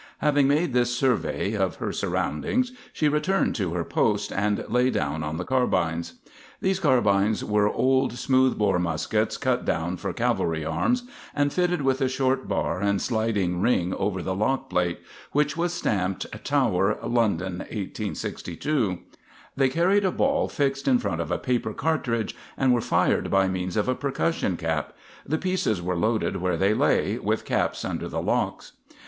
Having made this survey of her surroundings, she returned to her post and lay down on the carbines. These carbines were old smooth bore muskets cut down for cavalry arms and fitted with a short bar and sliding ring over the lock plate, which was stamped "Tower London, 1862." They carried a ball fixed in front of a paper cartridge, and were fired by means of a percussion cap. The pieces were loaded where they lay, with caps under the locks.